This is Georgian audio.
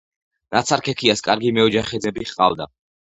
ნაცარქექიას კარგი მეოჯახე ძმები ჰყავდა.